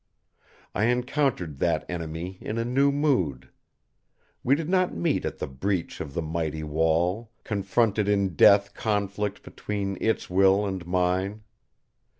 I encountered that enemy in a new mood. We did not meet at the breach in the mighty wall, confronted in death conflict between Its will and mine.